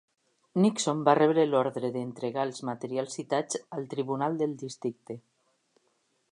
Nixon va rebre l'ordre d'entregar els materials citats al Tribunal del Districte.